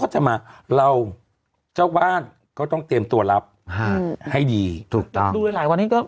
จะมาเราเจ้าบ้านก็ต้องเตรียมตัวรับฮ่าให้ดีถูกต้องตรงนี้ก็